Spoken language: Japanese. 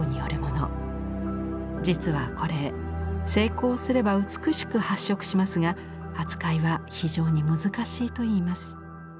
実はこれ成功すれば美しく発色しますが扱いは非常に難しいといいます。